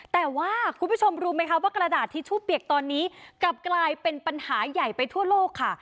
แต่ว่าคุณผู้ชมรู้ไหมคะว่ากระดาษทิชชู่เปียกตอนนี้กลับกลายเป็นปัญหาใหญ่ไปทั่วโลกค่ะ